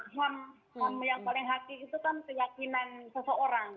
hal yang paling hakiki itu kan keyakinan seseorang